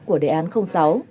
của đề án sáu